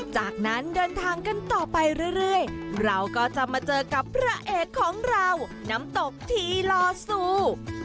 จากนั้นเดินทางกันต่อไปเรื่อยเราก็จะมาเจอกับพระเอกของเราน้ำตกทีลอซู